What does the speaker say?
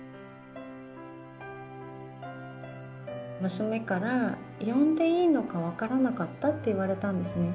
娘から呼んでいいのか分からなかったって言われたんですね